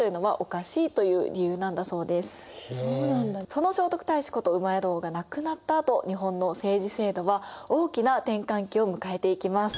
その聖徳太子こと戸王が亡くなったあと日本の政治制度は大きな転換期を迎えていきます。